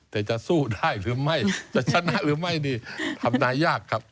แต่จะสู้ได้หรือไม่จะชนะหรือไม่นี่ทำนายยากครับ